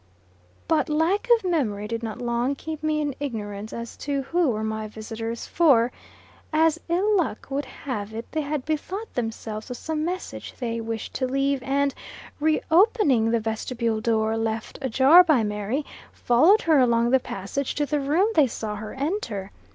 But, lack of memory did not long keep me in ignorance as to who were my visitors, for, as ill luck would have it, they had bethought themselves of some message they wished to leave, and, re opening the vestibule door, left a jar by Mary, followed her along the passage to the room they saw her enter.